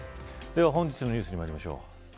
本日のニュースにまいりましょう。